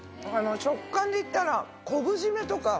食感でいったら昆布締めとか。